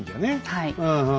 はい。